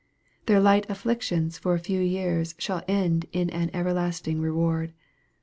Their light afflictions for a few years shall end in an everlasting reward.